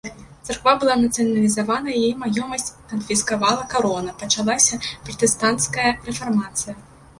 Царква была нацыяналізавана, яе маёмасць канфіскавала карона, пачалася пратэстанцкая рэфармацыя.